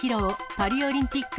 パリオリンピック